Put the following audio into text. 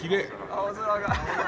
青空が。